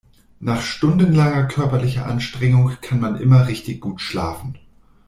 Nach stundenlanger körperlicher Anstrengung kann man immer richtig gut schlafen.